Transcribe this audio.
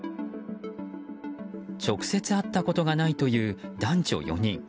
直接会ったことがないという男女４人。